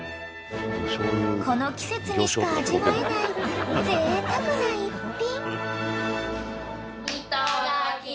［この季節にしか味わえないぜいたくな逸品］